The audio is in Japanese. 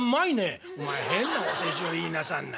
「お前変なお世辞を言いなさんな」。